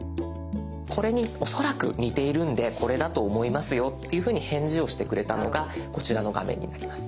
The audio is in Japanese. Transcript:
これに恐らく似ているんでこれだと思いますよっていうふうに返事をしてくれたのがこちらの画面になります。